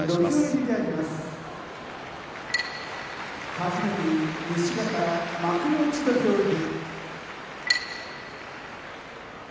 はじめに西方幕内土俵入り。